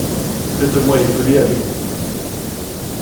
Faites-moi épeler avec vous.